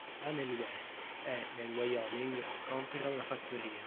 Va nel West e, nel Wyoming, compera una fattoria.